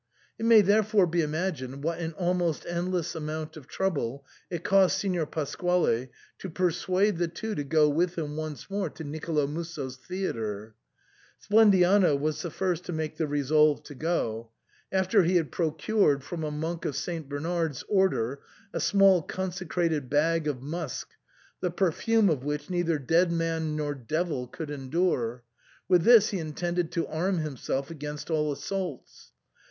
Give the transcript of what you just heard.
It may therefore be imagined what an almost end less amount of trouble it cost Signor Pasquale to per suade the two to go with him once more to Nicolo Musso's theatre. Splendiano was the first to make the resolve to go, — after he had procured from a monk of St. Bernard's order a small consecrated bag of musk, the perfume of which neither dead man nor devil could endure ; with this he intended to arm himself against all assaults.